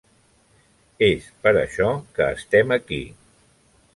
És per això que estem aquí.